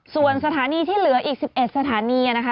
ส่วนสถานีที่เหลืออีก๑๑สถานีนะคะ